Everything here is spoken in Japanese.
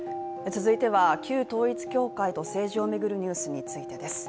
続いては、旧統一教会と政治を巡るニュースについてです。